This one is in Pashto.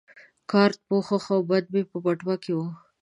کارت پوښ او بند مې په بټوه کې وو.